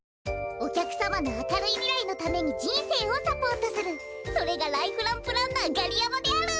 おきゃくさまのあかるいみらいのためにじんせいをサポートするそれがライフランプランナーガリヤマである。